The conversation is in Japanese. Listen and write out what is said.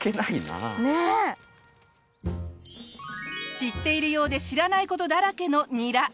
知っているようで知らない事だらけのニラ。